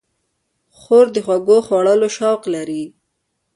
خور د خوږو خوړلو شوق لري.